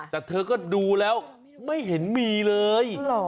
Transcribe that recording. แต่เธอก็ดูแล้วไม่เห็นมีเลย